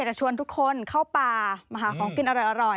จะชวนทุกคนเข้าป่ามาหาของกินอร่อย